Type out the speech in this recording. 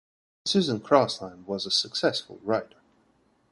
Susan Crosland was a successful writer.